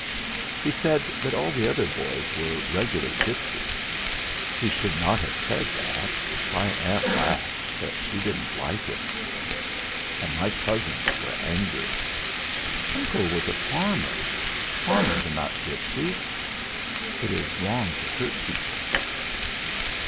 "He said that all the other boys were regular gipsies. He should not have said that. My aunt laughed, but she didn't like it, of course, and my cousins were angry. Uncle was a farmer farmers are not gipsies. It is wrong to hurt people."